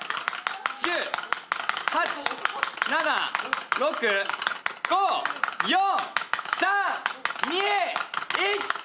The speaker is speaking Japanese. ９８７６５４３２１。